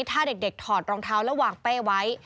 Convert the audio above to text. ถ้าเด็กถอดรองเท้าแล้ววางเป้ไว้